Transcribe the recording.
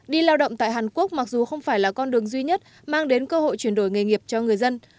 đi lao động tại hàn quốc mặc dù không phải là con đường duy nhất mang đến cơ hội chuyển đổi nghề nghiệp cho người dân